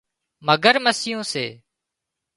مگرمسيون سي